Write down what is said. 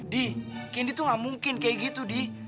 di kini tuh gak mungkin kayak gitu di